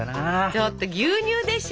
ちょっと牛乳でしょ。